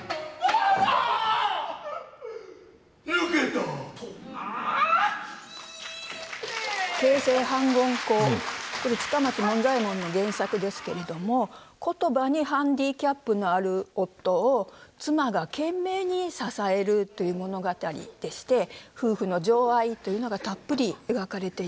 と呆れ「傾城反魂香」これ近松門左衛門の原作ですけれども言葉にハンディキャップのある夫を妻が懸命に支えるという物語でして夫婦の情愛というのがたっぷり描かれています。